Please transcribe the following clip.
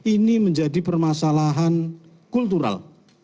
ini menjadi permasalahan kultural